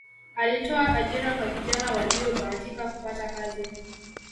alitoa ajira kwa vijana waliyobahatika kupata kazi